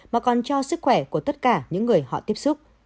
mà còn cho sức khỏe của tất cả những người họ tiếp xúc